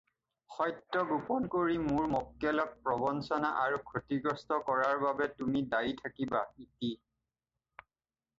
সত্য গোপন কৰি মোৰ মোক্কেলক প্ৰবঞ্চনা আৰু ক্ষতিগ্ৰস্ত কৰাৰ বাবে তুমি দায়ী থাকিবা ইতি।